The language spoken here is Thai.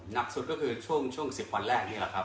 หนักสุดก็คือช่วง๑๐วันแรกนี่แหละครับ